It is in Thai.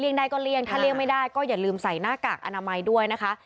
ได้ก็เลี่ยงถ้าเลี่ยงไม่ได้ก็อย่าลืมใส่หน้ากากอนามัยด้วยนะคะ